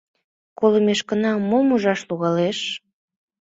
Колымешкына, мом ужаш логалеш?..